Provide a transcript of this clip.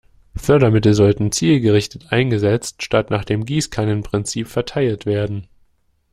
Fördermittel sollten zielgerichtet eingesetzt statt nach dem Gießkannen-Prinzip verteilt werden.